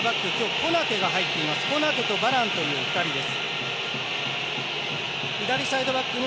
コナテとバランという２人です。